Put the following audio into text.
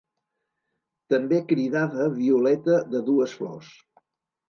També cridada violeta de dues flors.